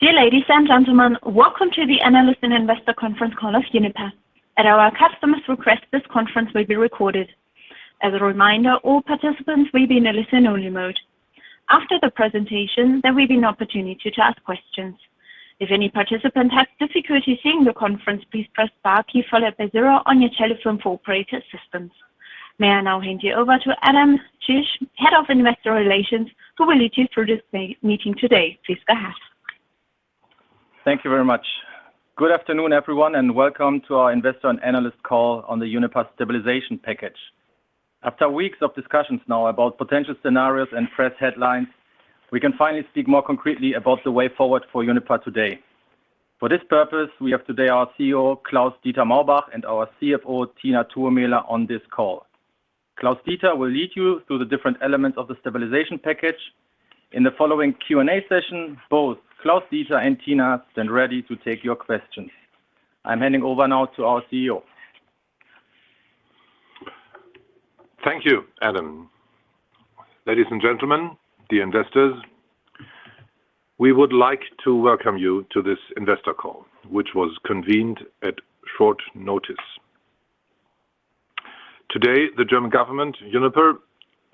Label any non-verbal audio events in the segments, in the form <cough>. Dear ladies and gentlemen, welcome to the Analyst and Investor conference call of Uniper. At our customers' request, this conference will be recorded. As a reminder, all participants will be in a listen-only mode. After the presentation, there will be an opportunity to ask questions. If any participant has difficulty hearing the conference, please press star key followed by zero on your telephone for operator assistance. May I now hand you over to Adam Czichon, Head of Investor Relations, who will lead you through this meeting today. Please go ahead. Thank you very much. Good afternoon, everyone, and welcome to our Investor and Analyst call on the Uniper stabilization package. After weeks of discussions now about potential scenarios and press headlines, we can finally speak more concretely about the way forward for Uniper today. For this purpose, we have today our CEO, Klaus-Dieter Maubach, and our CFO, Tiina Tuomela, on this call. Klaus-Dieter will lead you through the different elements of the stabilization package. In the following Q&A session, both Klaus-Dieter and Tina stand ready to take your questions. I'm handing over now to our CEO. Thank you, Adam. Ladies and gentlemen, dear investors, we would like to welcome you to this investor call, which was convened at short notice. Today, the German government, Uniper,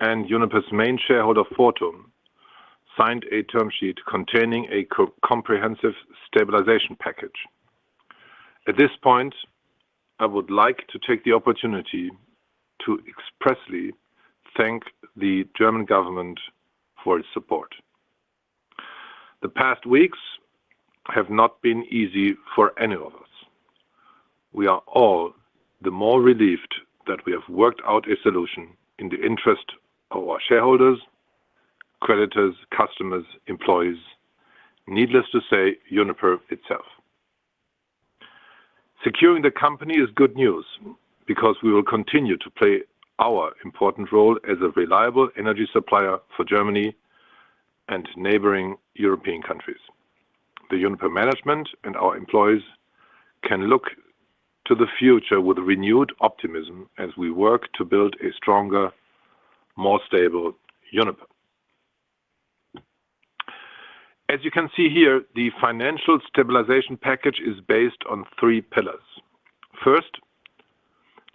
and Uniper's main shareholder, Fortum, signed a term sheet containing a comprehensive stabilization package. At this point, I would like to take the opportunity to expressly thank the German government for its support. The past weeks have not been easy for any of us. We are all the more relieved that we have worked out a solution in the interest of our shareholders, creditors, customers, employees, needless to say, Uniper itself. Securing the company is good news because we will continue to play our important role as a reliable energy supplier for Germany and neighboring European countries. The Uniper management and our employees can look to the future with renewed optimism as we work to build a stronger, more stable Uniper. As you can see here, the financial stabilization package is based on three pillars. First,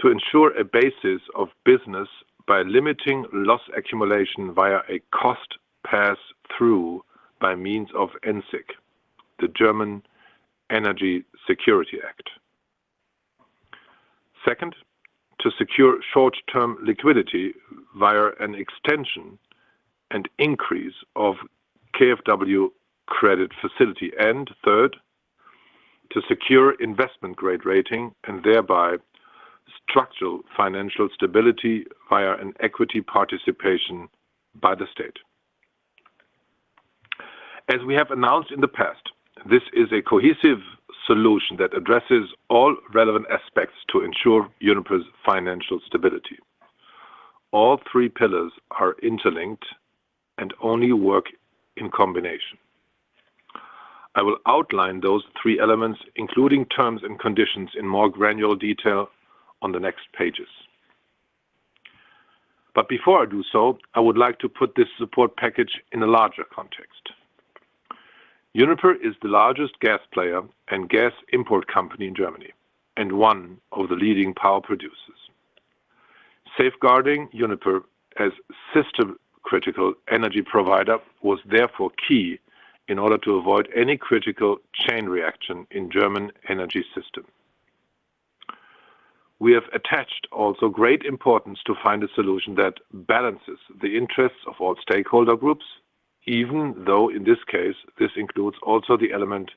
to ensure a basis of business by limiting loss accumulation via a cost pass-through by means of EnSiG, the German Energy Security of Supply Act. Second, to secure short-term liquidity via an extension and increase of KfW credit facility. Third, to secure investment-grade rating and thereby structural financial stability via an equity participation by the state. As we have announced in the past, this is a cohesive solution that addresses all relevant aspects to ensure Uniper's financial stability. All three pillars are interlinked and only work in combination. I will outline those three elements, including terms and conditions, in more granular detail on the next pages. Before I do so, I would like to put this support package in a larger context. Uniper is the largest gas player and gas import company in Germany and one of the leading power producers. Safeguarding Uniper as system critical energy provider was therefore key in order to avoid any critical chain reaction in German energy system. We have attached also great importance to find a solution that balances the interests of all stakeholder groups, even though in this case, this includes also the element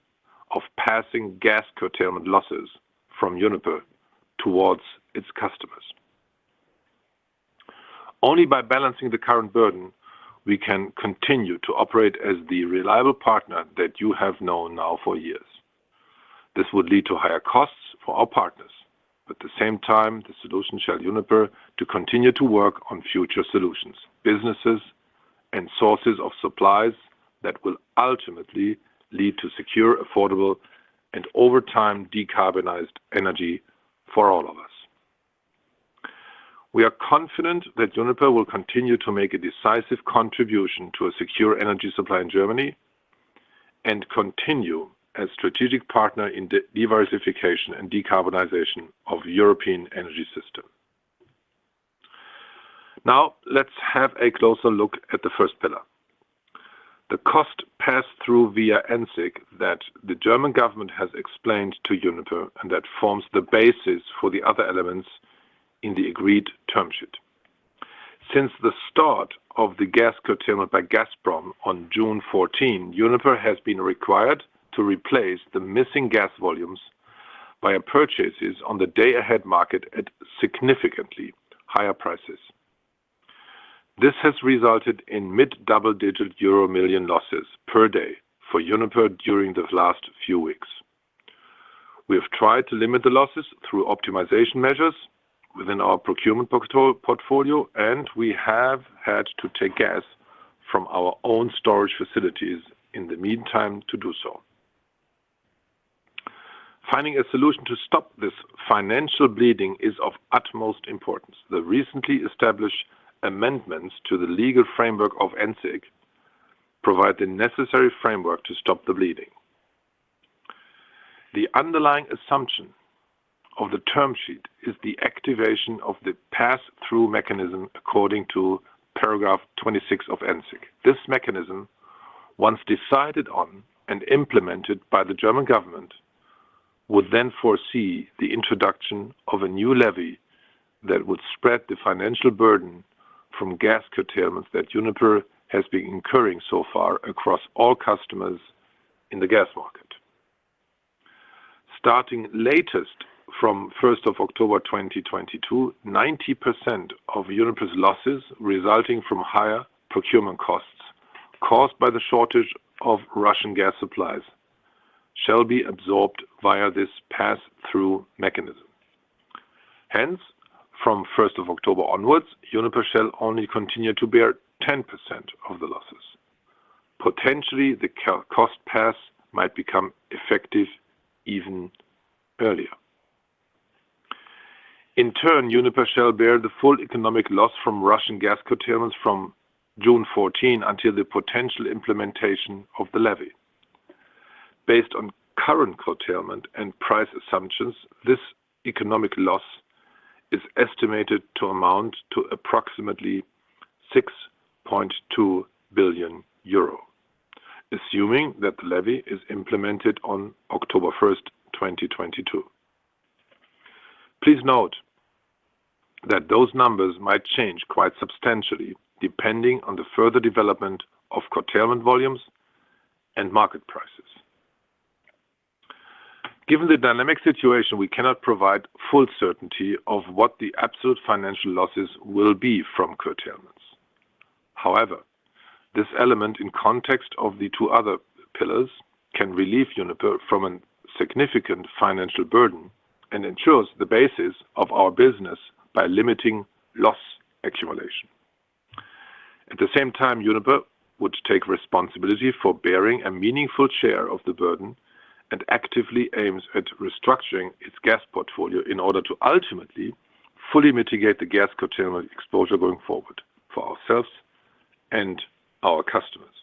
of passing gas curtailment losses from Uniper towards its customers. Only by balancing the current burden, we can continue to operate as the reliable partner that you have known now for years. This would lead to higher costs for our partners. At the same time, the solution shall Uniper to continue to work on future solutions, businesses and sources of supplies that will ultimately lead to secure, affordable, and over time, decarbonized energy for all of us. We are confident that Uniper will continue to make a decisive contribution to a secure energy supply in Germany and continue as strategic partner in the diversification and decarbonization of European energy system. Now, let's have a closer look at the first pillar. The cost pass-through via EnSiG that the German government has explained to Uniper and that forms the basis for the other elements in the agreed term sheet. Since the start of the gas curtailment by Gazprom on June 14, Uniper has been required to replace the missing gas volumes via purchases on the day-ahead market at significantly higher prices. This has resulted in mid double-digit euro million losses per day for Uniper during the last few weeks. We have tried to limit the losses through optimization measures within our procurement portfolio, and we have had to take gas from our own storage facilities in the meantime to do so. Finding a solution to stop this financial bleeding is of utmost importance. The recently established amendments to the legal framework of EnSiG provide the necessary framework to stop the bleeding. The underlying assumption of the term sheet is the activation of the pass-through mechanism according to Paragraph 26 of EnSiG. This mechanism, once decided on and implemented by the German government, would then foresee the introduction of a new levy that would spread the financial burden from gas curtailments that Uniper has been incurring so far across all customers in the gas market. Starting latest from 1st of October, 2022, 90% of Uniper's losses resulting from higher procurement costs caused by the shortage of Russian gas supplies shall be absorbed via this pass-through mechanism. Hence, from 1st of October onwards, Uniper shall only continue to bear 10% of the losses. Potentially, the cost pass might become effective even earlier. In turn, Uniper shall bear the full economic loss from Russian gas curtailments from June 14 until the potential implementation of the levy. Based on current curtailment and price assumptions, this economic loss is estimated to amount to approximately 6.2 billion euro, assuming that the levy is implemented on October 1st, 2022. Please note that those numbers might change quite substantially depending on the further development of curtailment volumes and market prices. Given the dynamic situation, we cannot provide full certainty of what the absolute financial losses will be from curtailments. However, this element in context of the two other pillars can relieve Uniper from a significant financial burden and ensures the basis of our business by limiting loss accumulation. At the same time, Uniper would take responsibility for bearing a meaningful share of the burden and actively aims at restructuring its gas portfolio in order to ultimately fully mitigate the gas curtailment exposure going forward for ourselves and our customers.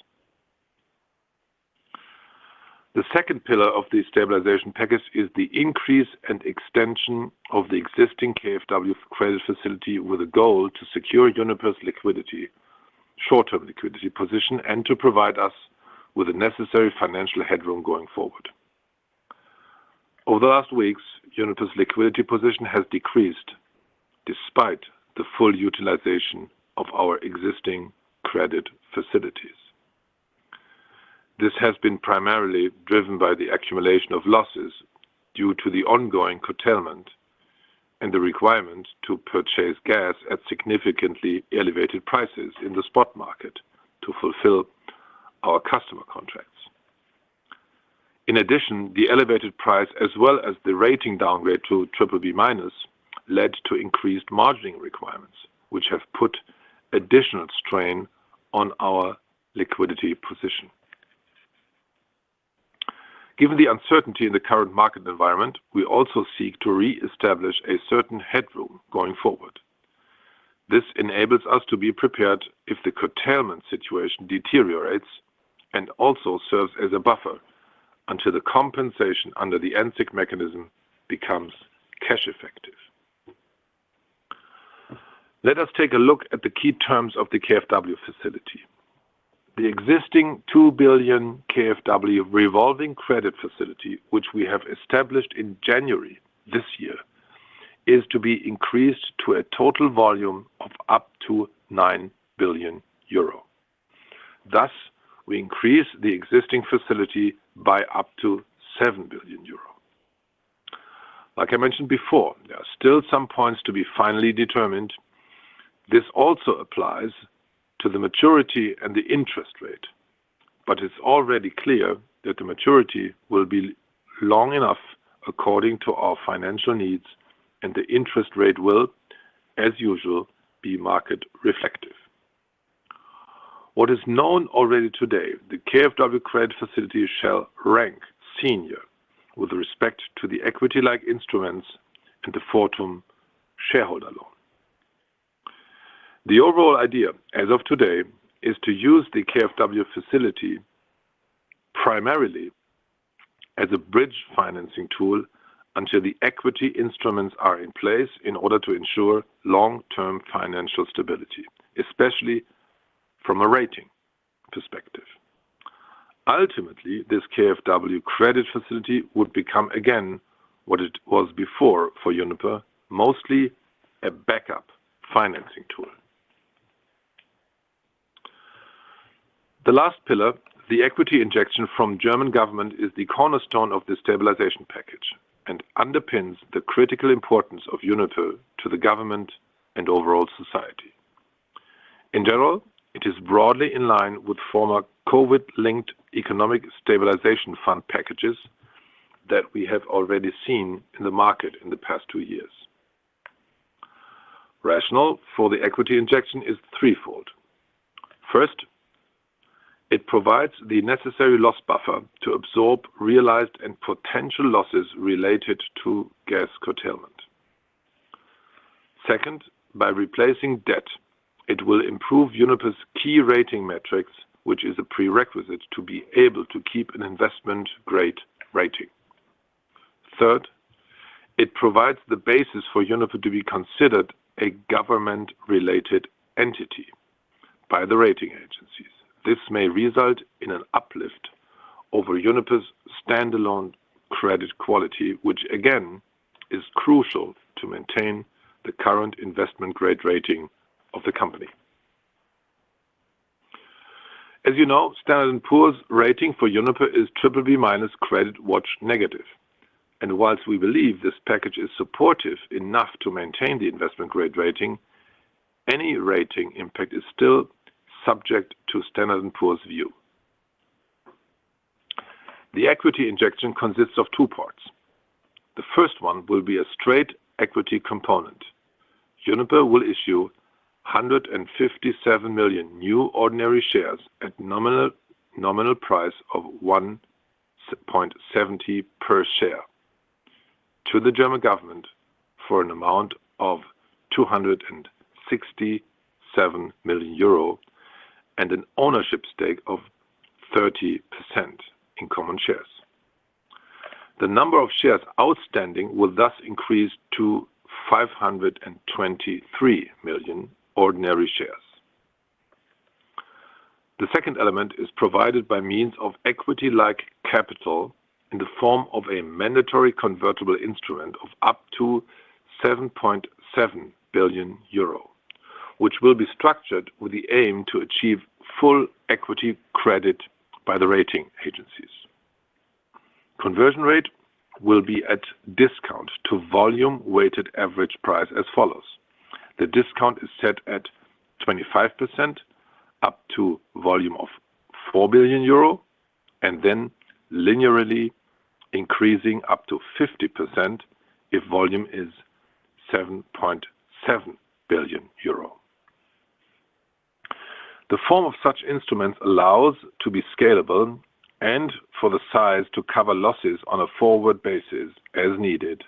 The second pillar of the stabilization package is the increase and extension of the existing KfW credit facility with a goal to secure Uniper's liquidity, short-term liquidity position, and to provide us with the necessary financial headroom going forward. Over the last weeks, Uniper's liquidity position has decreased despite the full utilization of our existing credit facilities. This has been primarily driven by the accumulation of losses due to the ongoing curtailment and the requirement to purchase gas at significantly elevated prices in the spot market to fulfill our customer contracts. In addition, the elevated price as well as the rating downgrade to BBB- led to increased margining requirements, which have put additional strain on our liquidity position. Given the uncertainty in the current market environment, we also seek to reestablish a certain headroom going forward. This enables us to be prepared if the curtailment situation deteriorates and also serves as a buffer until the compensation under the EnSiG mechanism becomes cash effective. Let us take a look at the key terms of the KfW facility. The existing 2 billion KfW revolving credit facility, which we have established in January this year, is to be increased to a total volume of up to 9 billion euro. Thus, we increase the existing facility by up to 7 billion euro. Like I mentioned before, there are still some points to be finally determined. This also applies to the maturity and the interest rate, but it's already clear that the maturity will be long enough according to our financial needs, and the interest rate will, as usual, be market reflective. What is known already today, the KfW credit facility shall rank senior with respect to the equity-like instruments and the Fortum shareholder loan. The overall idea, as of today, is to use the KfW facility primarily as a bridge financing tool until the equity instruments are in place in order to ensure long-term financial stability, especially from a rating perspective. Ultimately, this KfW credit facility would become again what it was before for Uniper, mostly a backup financing tool. The last pillar, the equity injection from German government, is the cornerstone of the stabilization package and underpins the critical importance of Uniper to the government and overall society. In general, it is broadly in line with former COVID-linked economic stabilization fund packages that we have already seen in the market in the past two years. Rationale for the equity injection is threefold. First, it provides the necessary loss buffer to absorb realized and potential losses related to gas curtailment. Second, by replacing debt, it will improve Uniper's key rating metrics, which is a prerequisite to be able to keep an investment-grade rating. Third, it provides the basis for Uniper to be considered a government-related entity by the rating agencies. This may result in an uplift over Uniper's standalone credit quality, which again is crucial to maintain the current investment-grade rating of the company. As you know, Standard & Poor's rating for Uniper is BBB- CreditWatch Negative. Whilst we believe this package is supportive enough to maintain the investment-grade rating, any rating impact is still subject to Standard & Poor's view. The equity injection consists of two parts. The first one will be a straight equity component. Uniper will issue 157 million new ordinary shares at nominal price of 1.70 per share to the German government for an amount of 267 million euro and an ownership stake of 30% in common shares. The number of shares outstanding will thus increase to 523 million ordinary shares. The second element is provided by means of equity-like capital in the form of a mandatory convertible instrument of up to 7.7 billion euro, which will be structured with the aim to achieve full equity credit by the rating agencies. Conversion rate will be at discount to volume-weighted average price as follows. The discount is set at 25% up to volume of 4 billion euro and then linearly increasing up to 50% if volume is 7.7 billion euro. The form of such instruments allows to be scalable and for the size to cover losses on a forward basis as needed,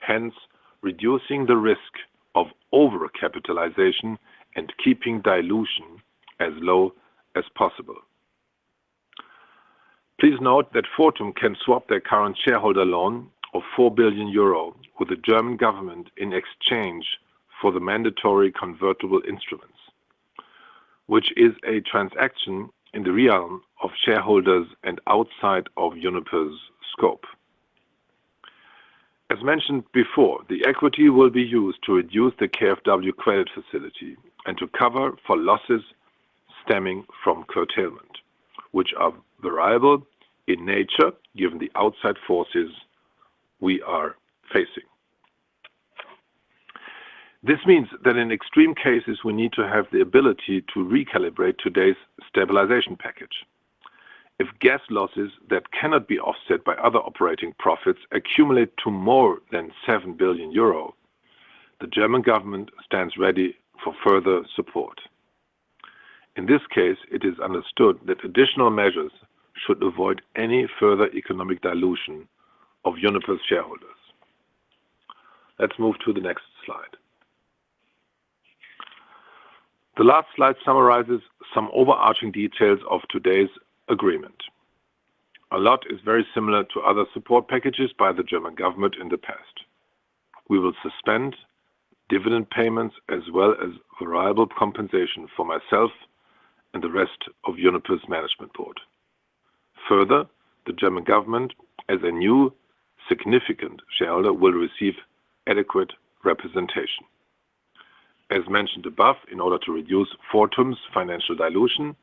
hence reducing the risk of over-capitalization and keeping dilution as low as possible. Please note that Fortum can swap their current shareholder loan of 4 billion euro with the German government in exchange for the mandatory convertible instruments, which is a transaction in the realm of shareholders and outside of Uniper's scope. As mentioned before, the equity will be used to reduce the KfW credit facility and to cover for losses stemming from curtailment, which are variable in nature given the outside forces we are facing. This means that in extreme cases, we need to have the ability to recalibrate today's stabilization package. If gas losses that cannot be offset by other operating profits accumulate to more than 7 billion euro, the German government stands ready for further support. In this case, it is understood that additional measures should avoid any further economic dilution of Uniper's shareholders. Let's move to the next slide. The last slide summarizes some overarching details of today's agreement. A lot is very similar to other support packages by the German government in the past. We will suspend dividend payments as well as variable compensation for myself and the rest of Uniper's management board. Further, the German government, as a new significant shareholder, will receive adequate representation. As mentioned above, in order to reduce Fortum's financial dilution,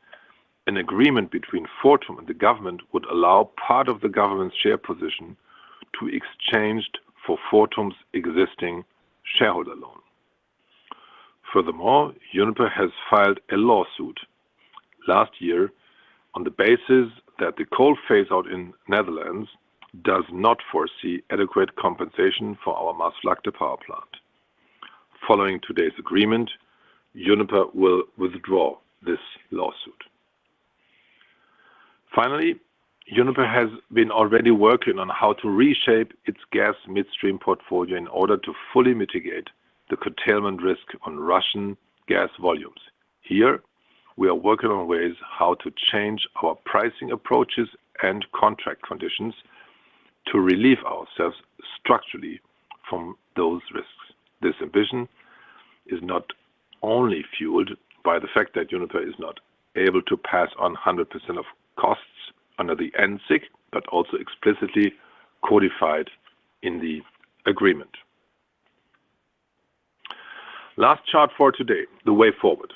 an agreement between Fortum and the government would allow part of the government's share position to be exchanged for Fortum's existing shareholder loan. Furthermore, Uniper has filed a lawsuit last year on the basis that the coal phase-out in the Netherlands does not foresee adequate compensation for our Maasvlakte power plant. Following today's agreement, Uniper will withdraw this lawsuit. Finally, Uniper has been already working on how to reshape its gas midstream portfolio in order to fully mitigate the curtailment risk on Russian gas volumes. Here, we are working on ways how to change our pricing approaches and contract conditions to relieve ourselves structurally from those risks. This ambition is not only fueled by the fact that Uniper is not able to pass on 100% of costs under the EnSiG, but also explicitly codified in the agreement. Last chart for today, the way forward.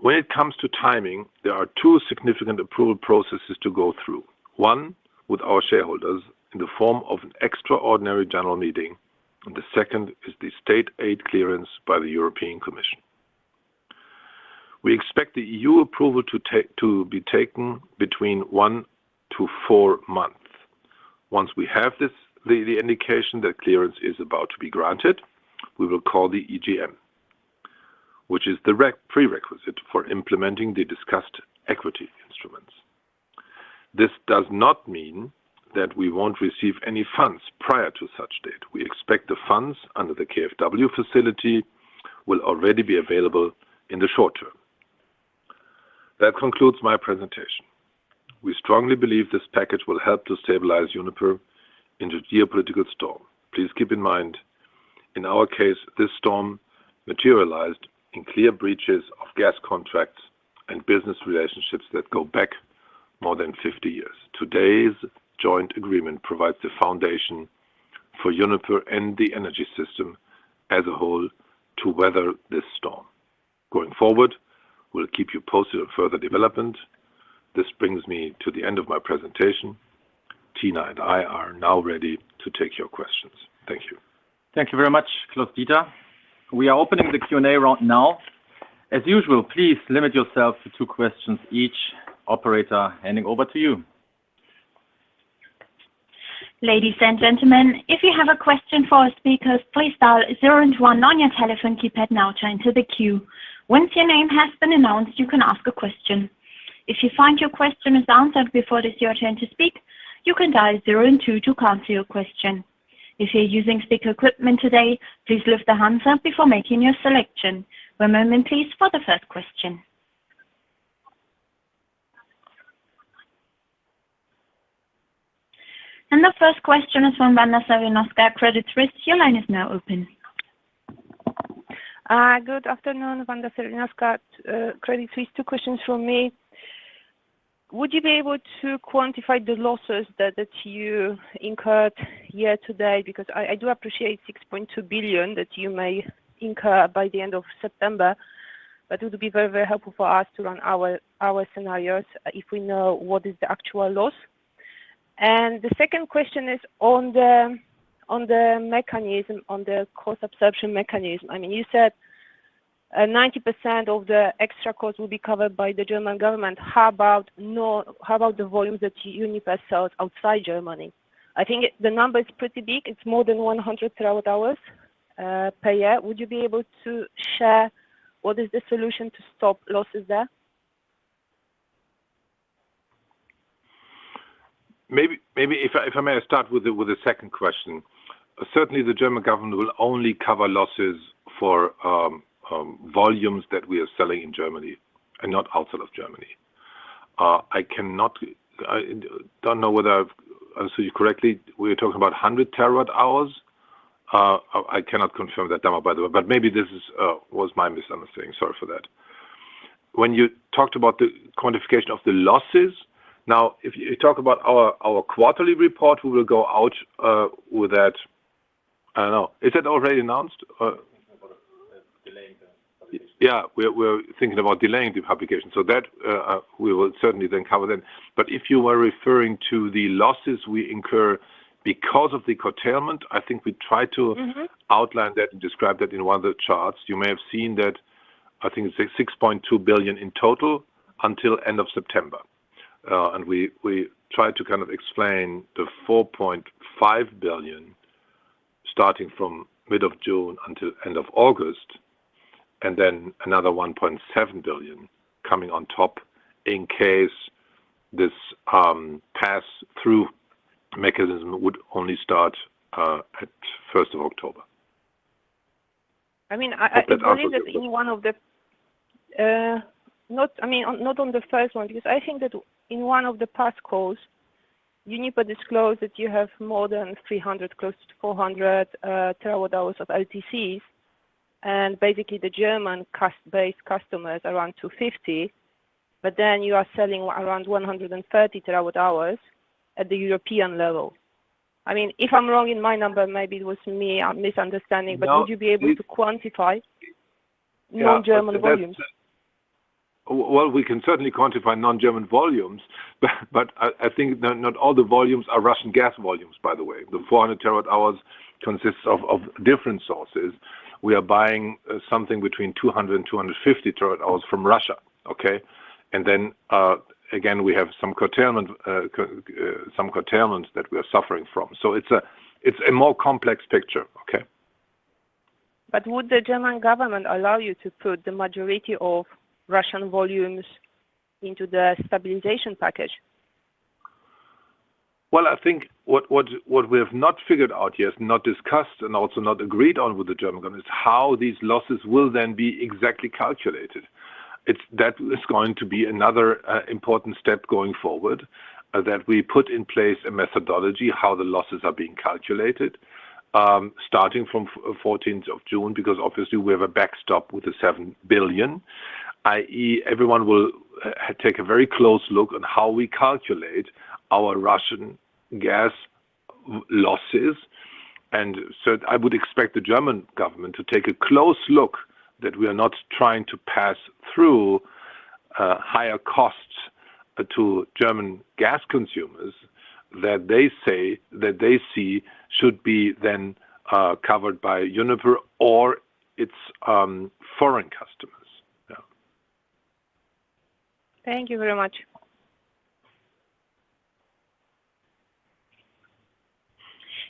When it comes to timing, there are two significant approval processes to go through. One, with our shareholders in the form of an extraordinary general meeting, and the second is the state aid clearance by the European Commission. We expect the EU approval to be taken between one to four months. Once we have this, the indication that clearance is about to be granted, we will call the EGM, which is the prerequisite for implementing the discussed equity instruments. This does not mean that we won't receive any funds prior to such date. We expect the funds under the KfW facility will already be available in the short term. That concludes my presentation. We strongly believe this package will help to stabilize Uniper in the geopolitical storm. Please keep in mind, in our case, this storm materialized in clear breaches of gas contracts and business relationships that go back more than 50 years. Today's joint agreement provides the foundation for Uniper and the energy system as a whole to weather this storm. Going forward, we'll keep you posted on further development. This brings me to the end of my presentation. Tina and I are now ready to take your questions. Thank you. Thank you very much, Klaus-Dieter Maubach. We are opening the Q&A round now. As usual, please limit yourself to two questions each. Operator, handing over to you. Ladies and gentlemen, if you have a question for our speakers, please dial zero and one on your telephone keypad now to enter the queue. Once your name has been announced, you can ask a question. If you find your question is answered before it is your turn to speak, you can dial zero and two to cancel your question. If you're using speaker equipment today, please lift the hand sign before making your selection. One moment please for the first question. The first question is from Wanda Serwinowska, Credit Suisse. Your line is now open. Good afternoon. Wanda Serwinowska, Credit Suisse. Two questions from me. Would you be able to quantify the losses that you incurred year to date? Because I do appreciate 6.2 billion that you may incur by the end of September, but it would be very, very helpful for us to run our scenarios if we know what is the actual loss. The second question is on the mechanism, on the cost absorption mechanism. I mean, you said 90% of the extra cost will be covered by the German government. How about the volumes that Uniper sells outside Germany? I think the number is pretty big. It's more than 100 TWh per year. Would you be able to share what is the solution to stop losses there? Maybe if I may start with the second question. Certainly, the German government will only cover losses for volumes that we are selling in Germany and not outside of Germany. I don't know whether I've answered you correctly. We're talking about 100 TWh. I cannot confirm that number by the way, but maybe this was my misunderstanding. Sorry for that. When you talked about the quantification of the losses. Now, if you talk about our quarterly report, we will go out with that. I don't know. Is that already announced? We're thinking about delaying the publication. Yeah, we're thinking about delaying the publication so that we will certainly then cover them. If you were referring to the losses we incur because of the curtailment, I think we tried to. Mm-hmm. Outline that and describe that in one of the charts. You may have seen that. I think it's 6.2 billion in total until end of September. We tried to kind of explain the 4.5 billion starting from mid of June until end of August, and then another 1.7 billion coming on top in case this pass-through mechanism would only start at first of October. I mean, I believe that in one of the, I mean, not on the first one, because I think that in one of the past calls, Uniper disclosed that you have more than 300, close to 400, TWh of LTCs and basically the German customer-based customers around 250. Then you are selling around 130 TWh at the European level. I mean, if I'm wrong in my number, maybe it was me, I'm misunderstanding. No. Would you be able to quantify non-German volumes? Well, we can certainly quantify non-German volumes, but I think not all the volumes are Russian gas volumes, by the way. The 400TWh consists of different sources. We are buying something between 200 TWh and 250 TWh from Russia, okay? Then, again, we have some curtailment that we are suffering from. It's a more complex picture. Okay. Would the German government allow you to put the majority of Russian volumes into the stabilization package? Well, I think what we have not figured out yet, not discussed and also not agreed on with the German government is how these losses will then be exactly calculated. It is that is going to be another important step going forward that we put in place a methodology how the losses are being calculated starting from fourteenth of June, because obviously we have a backstop with the 7 billion. I.e., everyone will take a very close look at how we calculate our Russian gas losses. I would expect the German government to take a close look that we are not trying to pass through higher costs to German gas consumers that they say that they see should be then covered by Uniper or its foreign customers. Yeah. Thank you very much.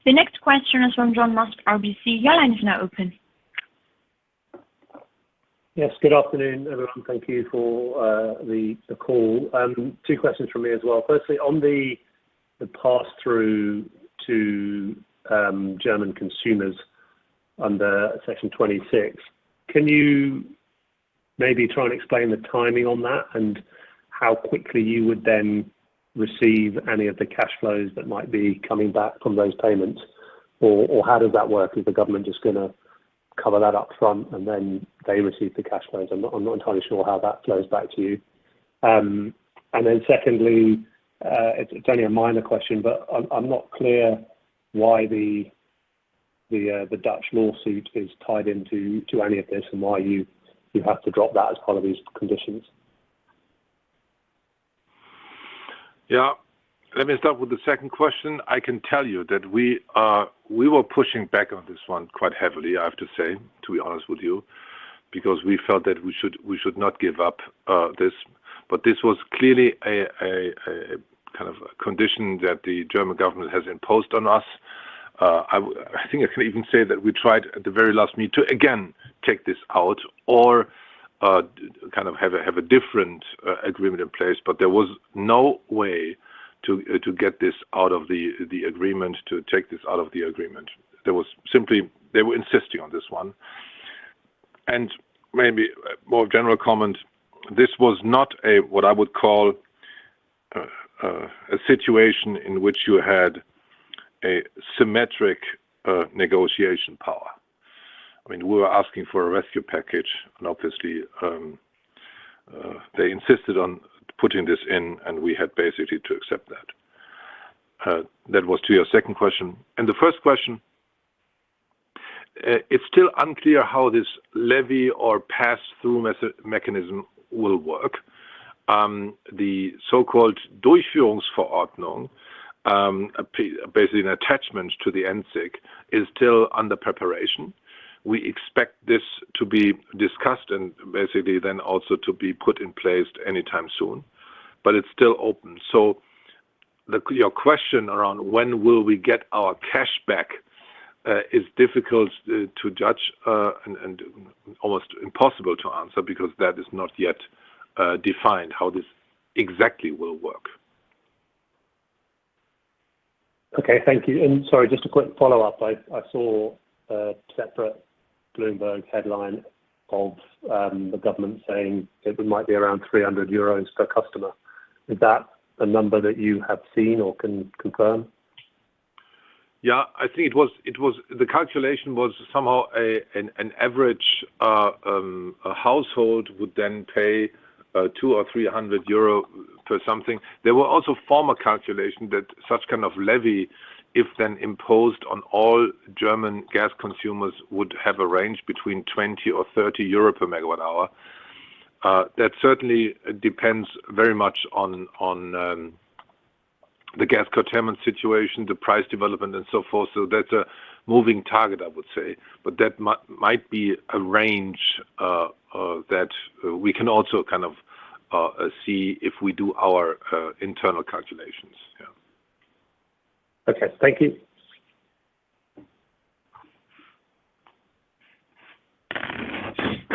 The next question is from John Musk, RBC. Your line is now open. Yes. Good afternoon, everyone. Thank you for the call. Two questions from me as well. Firstly, on the pass-through to German consumers under Section 26, can you maybe try and explain the timing on that and how quickly you would then receive any of the cash flows that might be coming back from those payments? Or how does that work? Is the government just gonna cover that up front, and then they receive the cash flows? I'm not entirely sure how that flows back to you. Secondly, it's only a minor question, but I'm not clear why the Dutch lawsuit is tied into any of this and why you have to drop that as part of these conditions. Yeah. Let me start with the second question. I can tell you that we were pushing back on this one quite heavily, I have to say, to be honest with you, because we felt that we should not give up this. This was clearly a kind of condition that the German government has imposed on us. I think I can even say that we tried at the very last minute to again take this out or kind of have a different agreement in place, but there was no way to get this out of the agreement. They were insisting on this one. Maybe a more general comment, this was not a what I would call a situation in which you had a symmetric negotiation power. I mean, we were asking for a rescue package and obviously they insisted on putting this in, and we had basically to accept that. That was to your second question. The first question, it's still unclear how this levy or pass-through mechanism will work. The so-called Durchführungsverordnung, basically an attachment to the EnSiG is still under preparation. We expect this to be discussed and basically then also to be put in place anytime soon, but it's still open. Your question around when we will get our cash back is difficult to judge and almost impossible to answer because that is not yet defined how this exactly will work. Okay. Thank you. Sorry, just a quick follow-up. I saw a separate Bloomberg headline of the government saying it might be around 300 euros per customer. Is that a number that you have seen or can confirm? I think it was. The calculation was somehow an average household would then pay 200 or 300 euro per something. There were also former calculation that such kind of levy, if then imposed on all German gas consumers, would have a range between 20 or 30 euro per megawatt-hour. That certainly depends very much on the gas curtailment situation, the price development and so forth. That's a moving target, I would say. That might be a range that we can also kind of see if we do our internal calculations. Yeah. Okay. Thank you.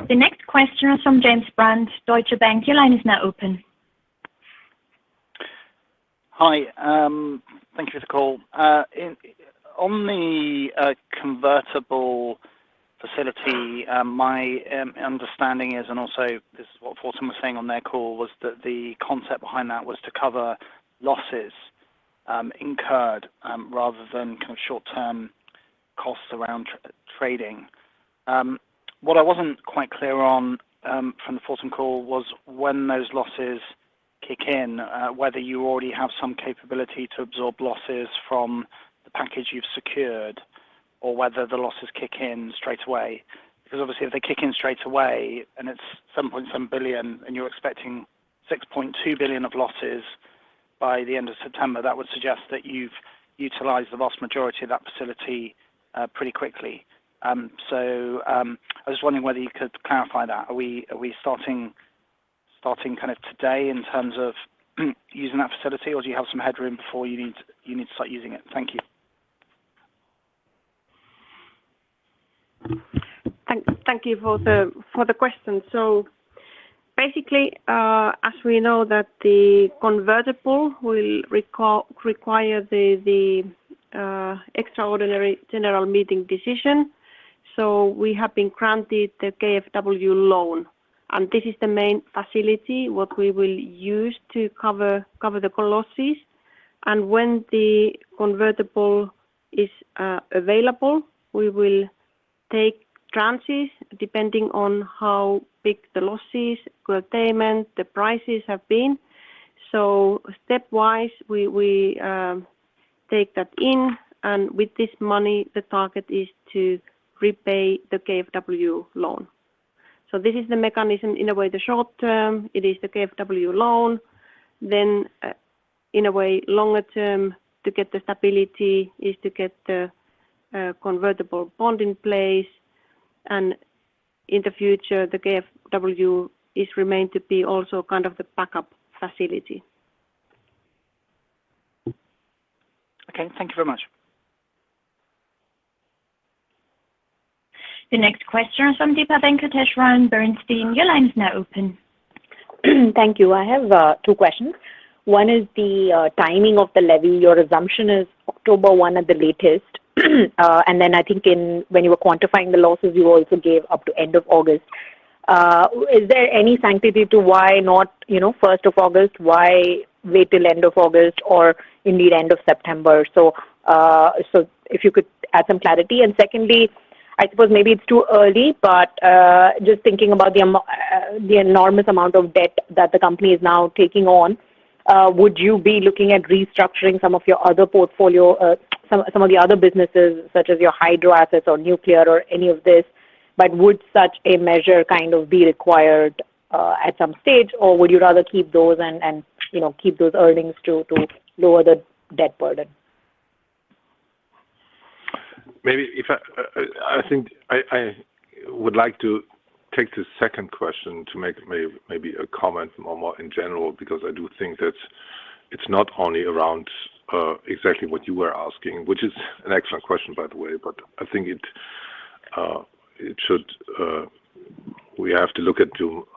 The next question is from James Brand, Deutsche Bank. Your line is now open. Hi. Thank you for the call. On the convertible facility, my understanding is, and also this is what Fortum was saying on their call, was that the concept behind that was to cover losses incurred rather than kind of short-term costs around trading. What I wasn't quite clear on from the Fortum call was when those losses kick in, whether you already have some capability to absorb losses from the package you've secured or whether the losses kick in straight away. Because obviously if they kick in straight away and it's 7.7 billion and you're expecting 6.2 billion of losses by the end of September, that would suggest that you've utilized the vast majority of that facility pretty quickly. I was just wondering whether you could clarify that. Are we starting kind of today in terms of using that facility, or do you have some headroom before you need to start using it? Thank you. Thank you for the question. Basically, as we know that the convertible will require the extraordinary general meeting decision, we have been granted the KfW loan, and this is the main facility what we will use to cover the losses. When the convertible is available, we will take tranches depending on how big the losses, curtailment, the prices have been. Stepwise, we take that in, and with this money, the target is to repay the KfW loan. This is the mechanism in a way, the short term, it is the KfW loan. In a way, longer term to get the stability is to get the convertible bond in place. In the future, the KfW is remained to be also kind of the backup facility. Okay. Thank you very much. The next question is from Deepa Venkateswaran around Bernstein. Your line is now open. Thank you. I have two questions. One is the timing of the levy. Your assumption is October 1 at the latest. I think when you were quantifying the losses, you also gave up to end of August. Is there any sanctity to why not, you know, first of August, why wait till end of August or indeed end of September? If you could add some clarity. Secondly, I suppose maybe it's too early, but just thinking about the enormous amount of debt that the company is now taking on, would you be looking at restructuring some of your other portfolio? Some of the other businesses such as your hydro assets or nuclear or any of this, but would such a measure kind of be required at some stage, or would you rather keep those and you know keep those earnings to lower the debt burden? Maybe if I think I would like to take the second question to make maybe a comment more in general, because I do think that it's not only around exactly what you were asking, which is an excellent question, by the way, but I think it should. We have to look into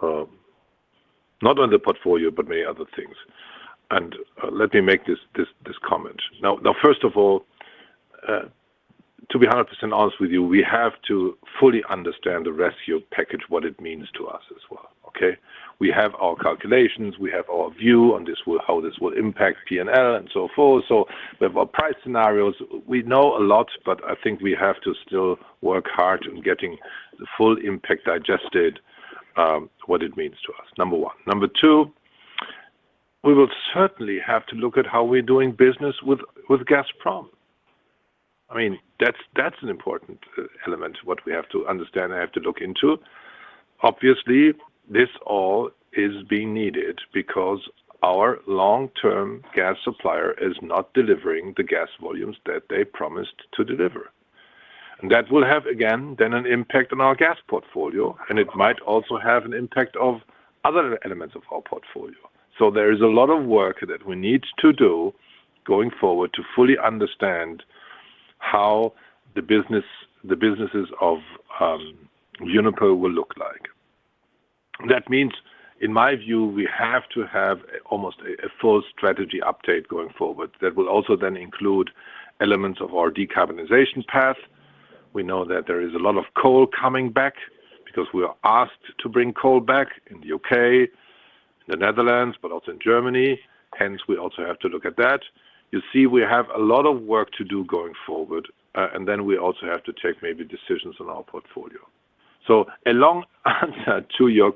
not only the portfolio, but many other things. Let me make this comment. Now first of all, to be 100% honest with you, we have to fully understand the rescue package, what it means to us as well, okay? We have our calculations, we have our view on how this will impact P&L and so forth. We have our price scenarios. We know a lot, but I think we have to still work hard in getting the full impact digested, what it means to us. Number one. Number two, we will certainly have to look at how we're doing business with Gazprom. I mean, that's an important element, what we have to understand and have to look into. Obviously, this all is being needed because our long-term gas supplier is not delivering the gas volumes that they promised to deliver. That will have, again, then an impact on our gas portfolio, and it might also have an impact on other elements of our portfolio. There is a lot of work that we need to do going forward to fully understand how the business, the businesses of Uniper will look like. That means, in my view, we have to have a full strategy update going forward that will also then include elements of our decarbonization path. We know that there is a lot of coal coming back because we are asked to bring coal back in the U.K., in the Netherlands, but also in Germany. Hence, we also have to look at that. You see, we have a lot of work to do going forward, and then we also have to take maybe decisions on our portfolio. A long answer to your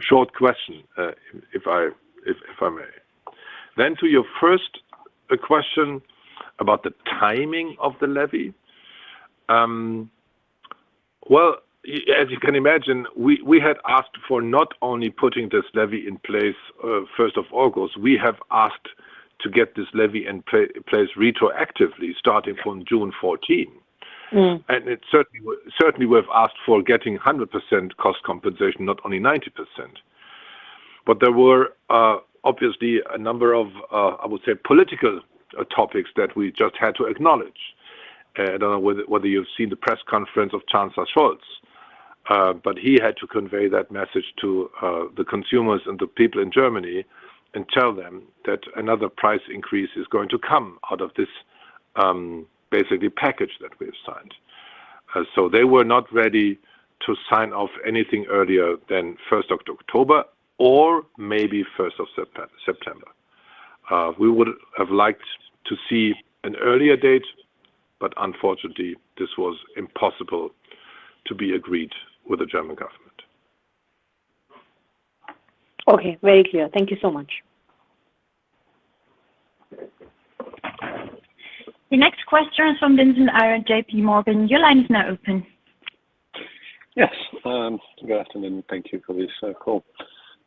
short question, if I may. To your first question about the timing of the levy. Well, as you can imagine, we had asked for not only putting this levy in place 1st of August, we have asked to get this levy in place retroactively, starting from June 14. Mm. It certainly we've asked for getting 100% cost compensation, not only 90%. There were obviously a number of, I would say, political topics that we just had to acknowledge. I don't know whether you've seen the press conference of Chancellor Scholz, but he had to convey that message to the consumers and the people in Germany and tell them that another price increase is going to come out of this basically package that we have signed. They were not ready to sign off anything earlier than 1st of October or maybe 1st of September. We would have liked to see an earlier date, but unfortunately, this was impossible to be agreed with the German government. Okay. Very clear. Thank you so much. The next question is from Vincent Ayral, JPMorgan. Your line is now open. Yes. Good afternoon. Thank you for this call.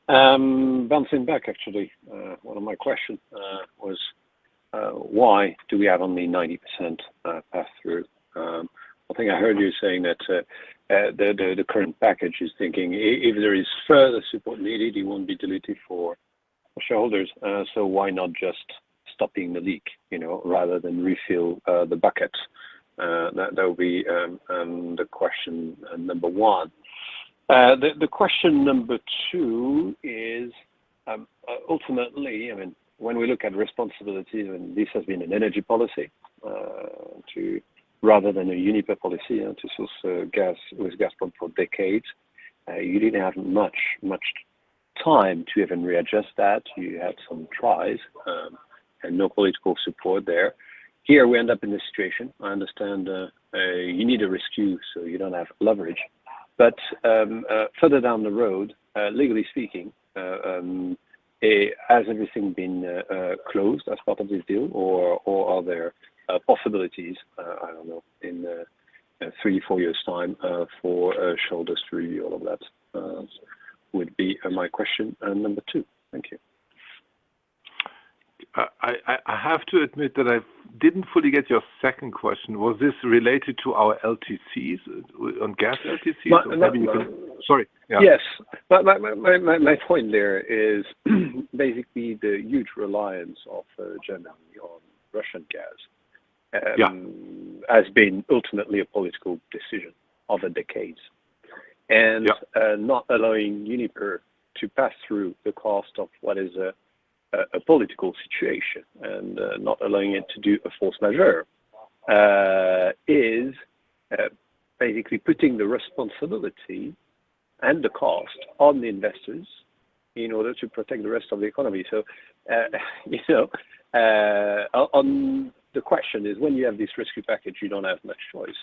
Bouncing back actually one of my question was why do we have only 90% pass through? I think I heard you saying that the current package is thinking if there is further support needed, it won't be dilutive for shareholders, so why not just stopping the leak, you know, rather than refill the bucket? That would be the question number one. The question number two is ultimately, I mean, when we look at responsibilities, and this has been an energy policy to rather than a Uniper policy and to source gas with Gazprom for decades, you didn't have much time to even readjust that. You had some tries and no political support there. Here we end up in this situation. I understand, you need a rescue, so you don't have leverage. Further down the road, legally speaking, has everything been closed as part of this deal? Or are there possibilities, I don't know, in three, four years' time, for shareholders to review all of that, would be my question and number two. Thank you. I have to admit that I didn't fully get your second question. Was this related to our LTCs, on gas LTCs? No, another one. Sorry. Yeah. Yes. My point there is basically the huge reliance of Germany on Russian gas. Yeah. Has been ultimately a political decision over the decades. Yeah. Not allowing Uniper to pass through the cost of what is a political situation and not allowing it to do a force majeure is basically putting the responsibility and the cost on the investors in order to protect the rest of the economy. You know, on the question is when you have this rescue package, you don't have much choice.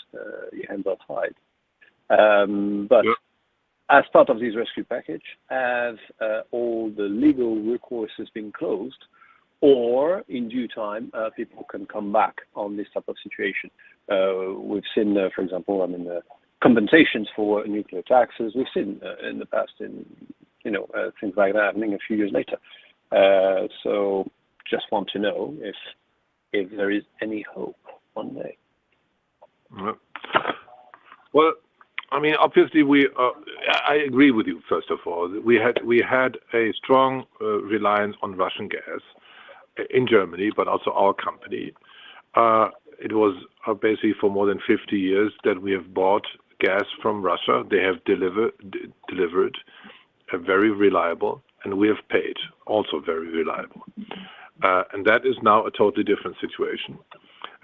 Your hands are tied. But as part of this rescue package, have all the legal recourse has been closed or in due time? People can come back on this type of situation. We've seen, for example, I mean, compensations for nuclear taxes. We've seen, in the past in, you know, things like that happening a few years later. Just want to know if there is any hope one day? Well, I mean, obviously we, I agree with you, first of all. We had a strong reliance on Russian gas in Germany, but also our company. It was basically for more than 50 years that we have bought gas from Russia. They have delivered very reliable, and we have paid also very reliable. That is now a totally different situation.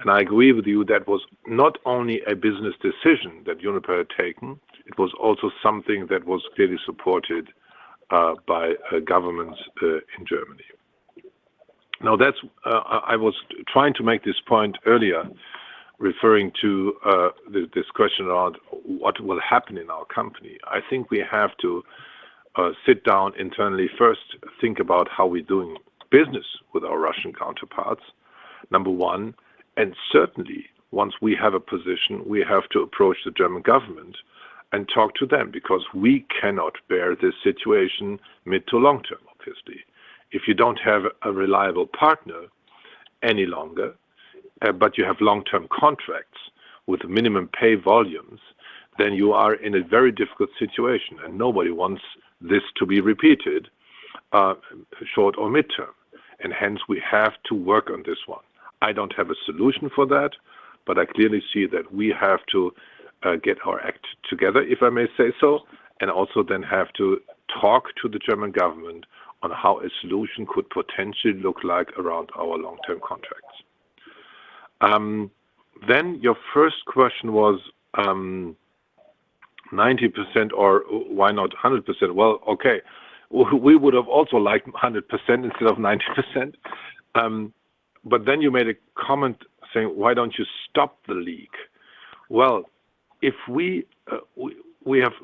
I agree with you, that was not only a business decision that Uniper had taken, it was also something that was clearly supported by governments in Germany. Now, that's, I was trying to make this point earlier, referring to this question on what will happen in our company. I think we have to sit down internally first, think about how we're doing business with our Russian counterparts, number one. Certainly, once we have a position, we have to approach the German government and talk to them because we cannot bear this situation mid to long term, obviously. If you don't have a reliable partner any longer, but you have long-term contracts with minimum pay volumes, then you are in a very difficult situation, and nobody wants this to be repeated, short or mid-term. Hence, we have to work on this one. I don't have a solution for that, but I clearly see that we have to get our act together, if I may say so, and also then have to talk to the German government on how a solution could potentially look like around our long-term contracts. Then your first question was, 90% or why not a 100%? Well, okay. We would have also liked 100% instead of 90%. You made a comment saying, "Why don't you stop the leak?" If we have,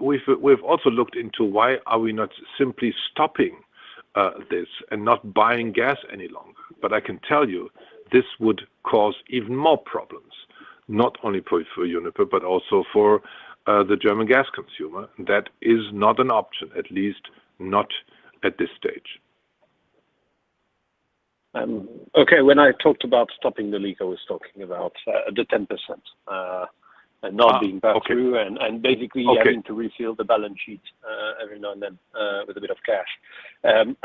we've also looked into why we are not simply stopping this and not buying gas any longer. I can tell you this would cause even more problems, not only for Uniper, but also for the German gas consumer. That is not an option, at least not at this stage. Okay. When I talked about stopping the leak, I was talking about the 10% and not being <crosstalk> passed through and basically <crosstalk> having to refill the balance sheet, every now and then, with a bit of cash.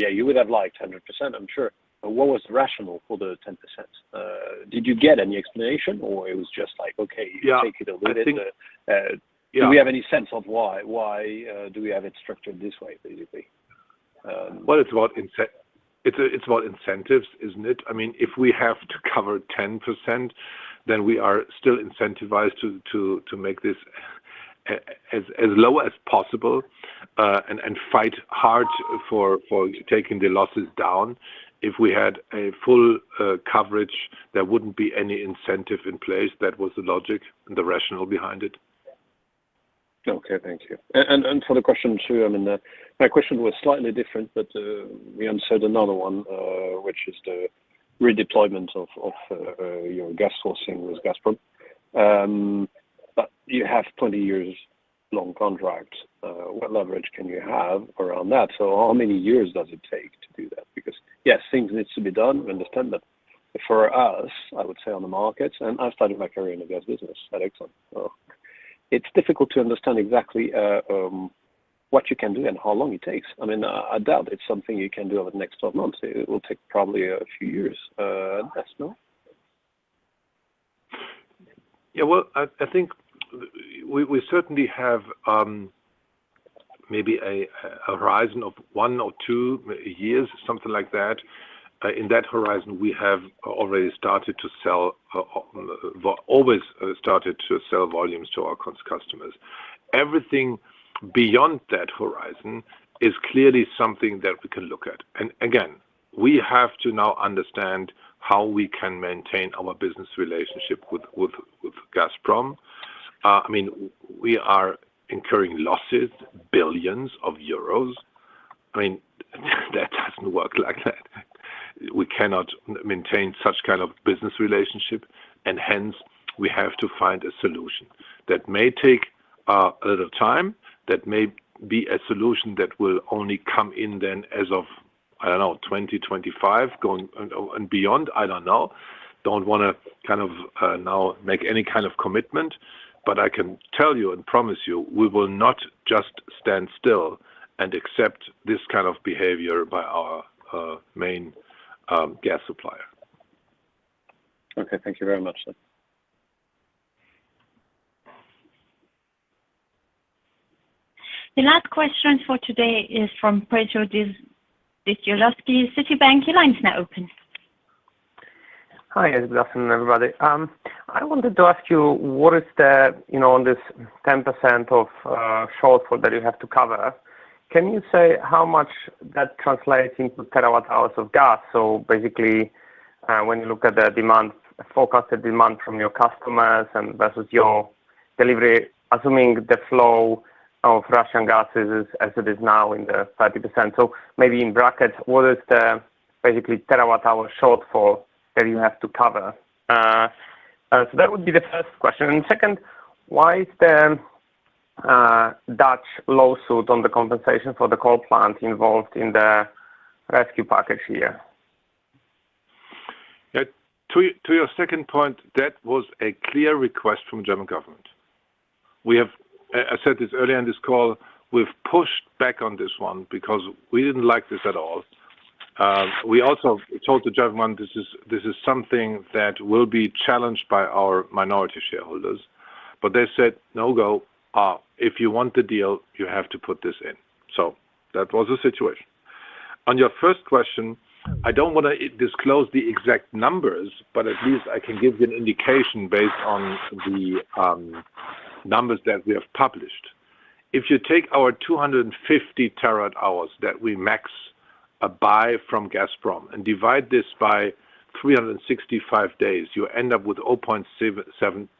Yeah, you would have liked 100%, I'm sure. What was the rationale for the 10%? Did you get any explanation or it was just like, <crosstalk> you take it or leave it? I think, yeah. Do we have any sense of why? Why do we have it structured this way, basically? Well, it's about incentives, isn't it? I mean, if we have to cover 10%, then we are still incentivized to make this as low as possible, and fight hard for taking the losses down. If we had a full coverage, there wouldn't be any incentive in place. That was the logic and the rationale behind it. Okay. Thank you. For the question two, I mean, my question was slightly different, but we answered another one, which is the redeployment of your gas sourcing with Gazprom. You have 20 years long contracts. What leverage can you have around that? How many years does it take to do that? Because yes, things need to be done, we understand that. For us, I would say on the market, and I started my career in the gas business at ExxonMobil, so it's difficult to understand exactly what you can do and how long it takes. I mean I doubt it's something you can do over the next 12 months. It will take probably a few years, at best, no? Yeah, well, I think we certainly have maybe a horizon of one or two years, something like that. In that horizon, we have already started to sell volumes to our customers. Everything beyond that horizon is clearly something that we can look at. We have to now understand how we can maintain our business relationship with Gazprom. I mean, we are incurring losses, billions of euro. I mean, that doesn't work like that. We cannot maintain such kind of business relationship, and hence, we have to find a solution. That may take a little time. That may be a solution that will only come in then as of, I don't know, 2025, going and beyond. I don't know. Don't wanna kind of now make any kind of commitment, but I can tell you and promise you, we will not just stand still and accept this kind of behavior by our main gas supplier. Okay. Thank you very much then. The last question for today is from Piotr Dzieciolowski, Citibank. Your line is now open. Hi. It's good afternoon, everybody. I wanted to ask you, what is the, you know, on this 10% of shortfall that you have to cover, can you say how much that translates into terawatt-hours of gas? So basically, when you look at the demand, forecasted demand from your customers and versus your delivery, assuming the flow of Russian gas is as it is now in the 30%. So maybe in brackets, what is the basically terawatt-hour shortfall that you have to cover? That would be the first question. Second, why is the Dutch lawsuit on the compensation for the coal plant involved in the rescue package here? Yeah. To your second point, that was a clear request from German government. I said this earlier in this call, we've pushed back on this one because we didn't like this at all. We also told the German government, this is something that will be challenged by our minority shareholders. But they said, "No go. If you want the deal, you have to put this in." That was the situation. On your first question, I don't want to disclose the exact numbers, but at least I can give you an indication based on the numbers that we have published. If you take our 250 TWh that we max buy from Gazprom and divide this by 365 days, you end up with 0.7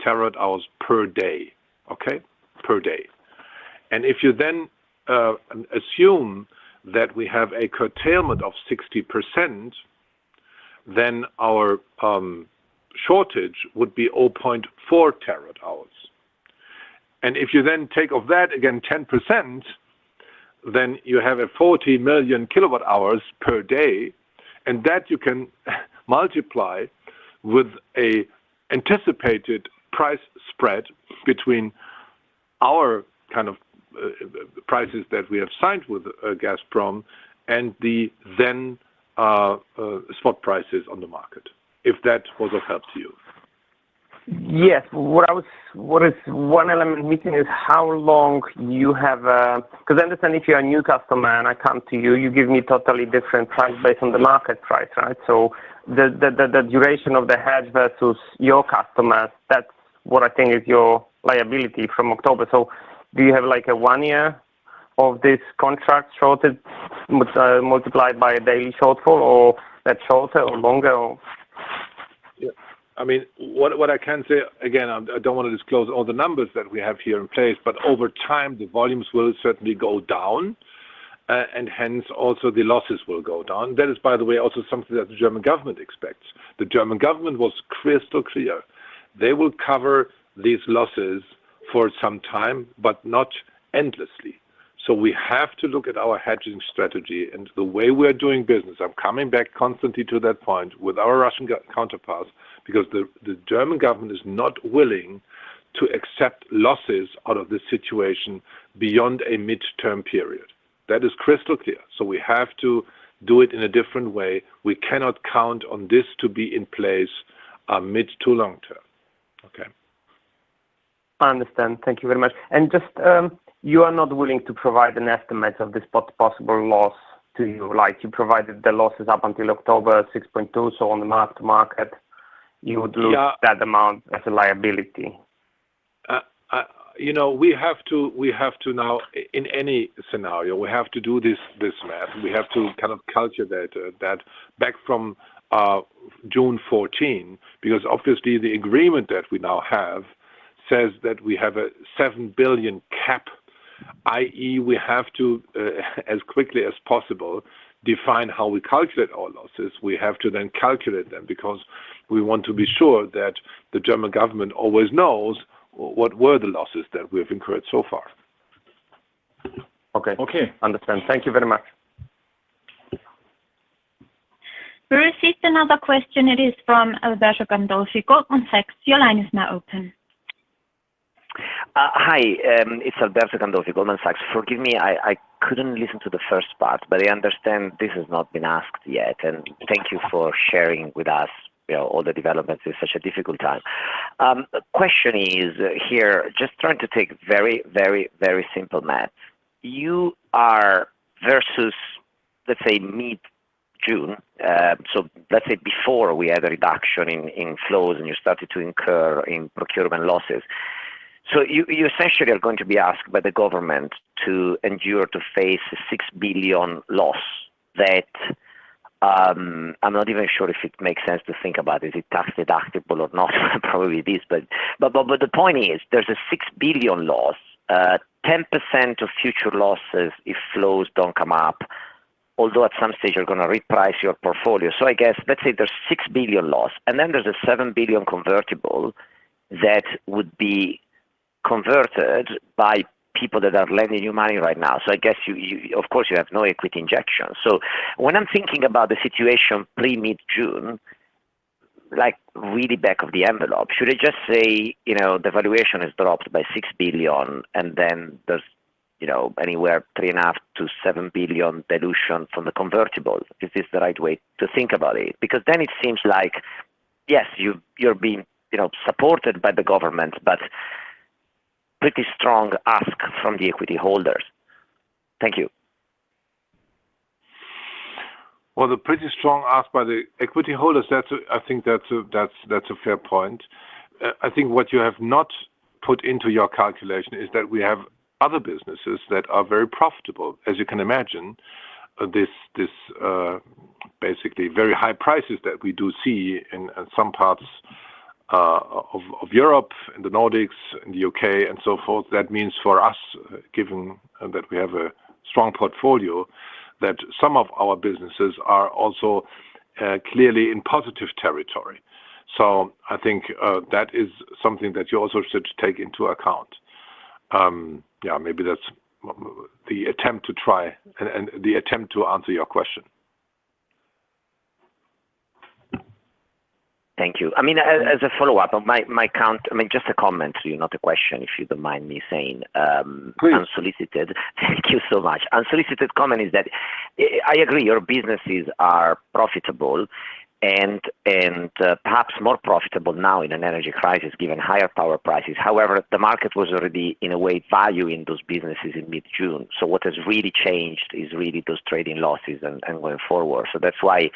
TWh per day, okay? Per day. If you then assume that we have a curtailment of 60%, then our shortage would be 0.4 TWh. If you then take of that again 10%, then you have a 40 million kWh per day, and that you can multiply with an anticipated price spread between our kind of prices that we have signed with Gazprom and the then spot prices on the market, if that was of help to you. Yes. One element missing is how long you have. 'Cause I understand if you're a new customer and I come to you give me totally different price based on the market price, right? The duration of the hedge versus your customers, that's what I think is your liability from October. Do you have like a one-year of this contract shortage, multiplied by a daily shortfall or that shorter or longer? Yeah. I mean, what I can say, again, I don't wanna disclose all the numbers that we have here in place, but over time, the volumes will certainly go down, and hence, also the losses will go down. That is, by the way, also something that the German government expects. The German government was crystal clear. They will cover these losses for some time, but not endlessly. We have to look at our hedging strategy and the way we are doing business. I'm coming back constantly to that point, with our Russian counterparts because the German government is not willing to accept losses out of this situation beyond a midterm period. That is crystal clear. We have to do it in a different way. We cannot count on this to be in place, mid to long term. Okay. I understand. Thank you very much. Just, you are not willing to provide an estimate of this possible loss to you, like you provided the losses up until October, 6.2 billion. On the mark-to-market, you would <crosstalk> lose that amount as a liability. You know, we have to now, in any scenario, we have to do this math. We have to kind of calculate that back from June 14, because obviously the agreement that we now have says that we have a 7 billion cap. i.e. we have to, as quickly as possible define how we calculate our losses. We have to then calculate them because we want to be sure that the German government always knows what were the losses that we have incurred so far. Okay. Okay. Understood. Thank you very much. We received another question. It is from Alberto Gandolfi, Goldman Sachs. Your line is now open. Hi. It's Alberto Gandolfi, Goldman Sachs. Forgive me, I couldn't listen to the first part, but I understand this has not been asked yet, and thank you for sharing with us, you know, all the developments in such a difficult time. The question is here, just trying to take very simple math. You are versus, let's say, mid-June, so let's say before we had a reduction in flows and you started to incur in procurement losses. You essentially are going to be asked by the government to endure to face a 6 billion loss that. I'm not even sure if it makes sense to think about is it tax-deductible or not. Probably it is. The point is, there's a 6 billion loss, 10% of future losses if flows don't come up. Although at some stage you're gonna reprice your portfolio. I guess, let's say there's 6 billion loss, and then there's a 7 billion convertible that would be converted by people that are lending you money right now. I guess you, of course you have no equity injection. When I'm thinking about the situation pre-mid June, like really back of the envelope, should I just say, you know, the valuation has dropped by 6 billion, and then there's, you know, anywhere 3.5 billion- 7 billion dilution from the convertibles? Is this the right way to think about it? Because then it seems like, yes, you're being, you know, supported by the government, but pretty strong ask from the equity holders. Thank you. Well, the pretty strong ask by the equity holders, that's a fair point. I think what you have not put into your calculation is that we have other businesses that are very profitable. As you can imagine, this basically very high prices that we do see in some parts of Europe and the Nordics and the U.K. and so forth, that means for us, given that we have a strong portfolio, that some of our businesses are also clearly in positive territory. I think that is something that you also should take into account. Yeah, maybe that's the attempt to try and answer your question. Thank you. I mean, as a follow-up on my count. I mean, just a comment to you, not a question, if you don't mind me saying. Please. Unsolicited. Thank you so much. Unsolicited comment is that I agree our businesses are profitable and perhaps more profitable now in an energy crisis given higher power prices. However, the market was already in a way valuing those businesses in mid-June. What has really changed is really those trading losses and going forward. That's why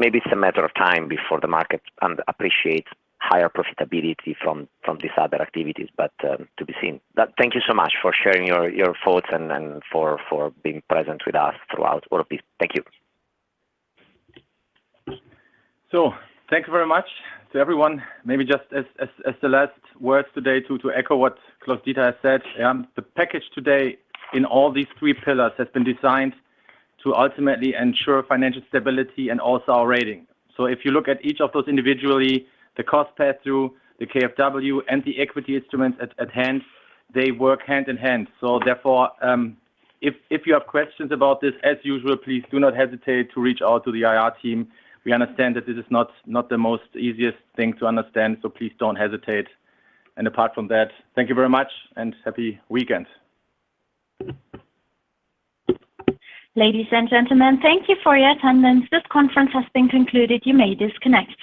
maybe it's a matter of time before the market appreciates higher profitability from these other activities, but to be seen. Thank you so much for sharing your thoughts and for being present with us throughout. Thank you. Thank you very much to everyone. Maybe just as the last words today to echo what Klaus-Dieter has said, the package today in all these three pillars has been designed to ultimately ensure financial stability and also our rating. If you look at each of those individually, the cost pass-through, the KfW, and the equity instruments at hand, they work hand in hand. Therefore, if you have questions about this, as usual, please do not hesitate to reach out to the IR team. We understand that this is not the most easiest thing to understand, so please don't hesitate. Apart from that, thank you very much and happy weekend. Ladies and gentlemen, thank you for your attendance. This conference has been concluded. You may disconnect.